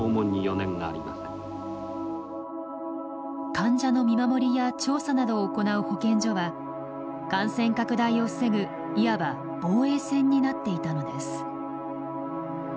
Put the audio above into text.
患者の見守りや調査などを行う保健所は感染拡大を防ぐいわば防衛線になっていたのです。